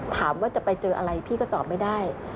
ถามว่าจะไปเจออะไรพี่ก็ตอบไม่ได้